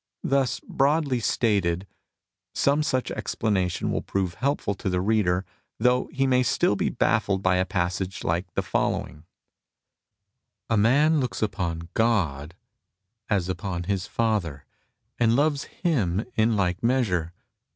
Thus broadly stated, some such explanation will prove helpful to the reader, though he may still be baffled by a passage like the following :" A man looks upon God ^ as upon his father, and loves Him in like measure.